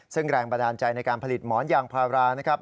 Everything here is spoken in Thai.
ซึ่งแรงบันดาลใจในการผลิตหมอนยางพารานะครับ